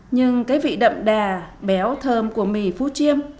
nhưng cái vị đậm đà béo thơm của mì phú chiêm